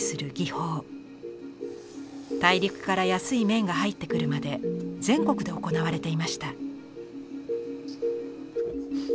大陸から安い綿が入ってくるまで全国で行われていました。